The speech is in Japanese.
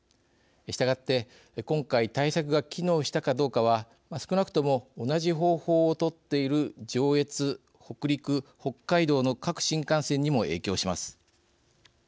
したがって、今回対策が機能したかどうかは少なくとも同じ方法を取っている上越、北陸、北海道の各新幹線にも影響します。